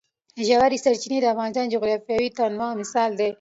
ژورې سرچینې د افغانستان د جغرافیوي تنوع مثال دی.